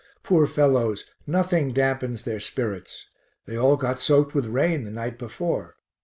Poor fellows, nothing dampens their spirits. They all got soaked with rain the night before.